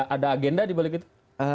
ada agenda di balik itu